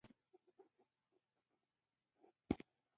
د افغان نېشنلېزم پخوا سپک نوم و.